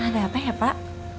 ada apa ya pak